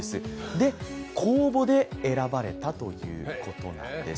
で、公募で選ばれたということなんです。